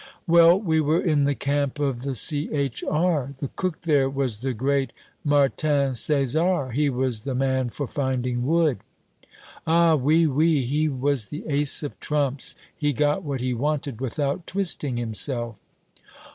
"Well, we were in the camp of the C.H.R. The cook there was the great Martin Cesar. He was the man for finding wood!" "Ah, oui, oui! He was the ace of trumps! He got what he wanted without twisting himself."